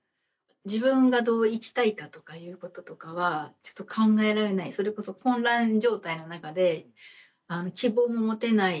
自分がどう生きたいかとかいうこととかはちょっと考えられないそれこそ混乱状態の中で希望も持てない